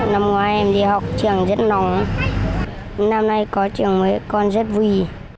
năm ngoái em đi học trường rất nóng năm nay có trường mới còn rất vui